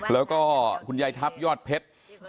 แล้วก็คุณยายทัพยอดเพชร